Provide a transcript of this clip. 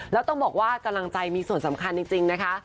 แล้วต้องบอกว่ากำลังใจมีส่วนสำคัญจริงนะคะ